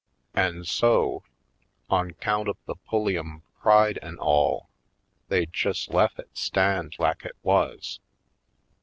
An' so, on 'count of the Pulliam pride an' all, they jes' lef ' it stand lak it wuz.